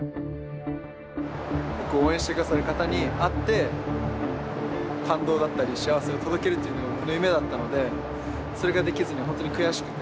応援してくださる方に会って感動だったり幸せを届けるっていうのが僕の夢だったのでそれができずに本当に悔しくて。